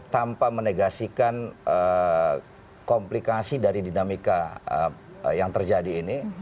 tanpa menegasikan komplikasi dari dinamika yang terjadi ini